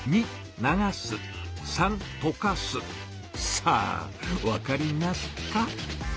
さあわかりますか？